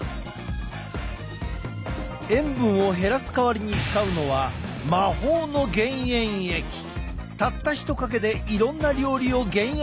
塩分を減らす代わりに使うのはたった１かけでいろんな料理を減塩できる。